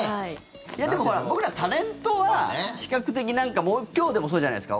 いや、でも僕らタレントは比較的今日でもそうじゃないですか。